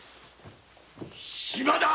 島田！